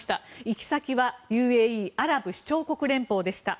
行き先はＵＡＥ・アラブ首長国連邦でした。